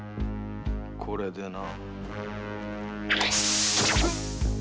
これでな。